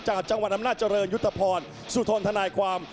จากจังหวัดอำนาจริย์สุทนถนายความ